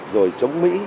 rồi chống mỹ